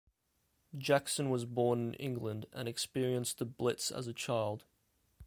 Jackson was born in England and experienced the Blitz as a child.